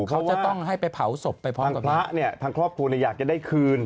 เพราะว่าทางพระเนี่ยทางครอบครูอยากจะได้คืน